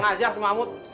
ngajak si mamut